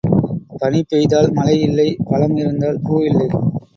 பனி பெய்தால் மழை இல்லை, பழம் இருந்தால் பூ இல்லை.